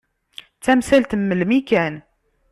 D tamsalt n melmi kan.